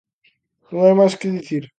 Non hai máis que dicir.